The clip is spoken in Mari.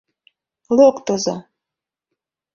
«ЛОКТЫЗО»